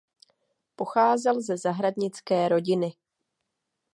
Pocházel ze zahradnické rodiny.